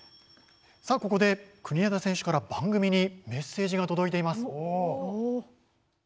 ここで、国枝選手から番組にメッセージが届いています。